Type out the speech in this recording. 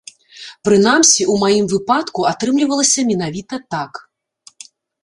Прынамсі, у маім выпадку атрымлівалася менавіта так.